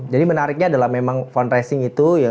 jadi menariknya adalah memang fundraising itu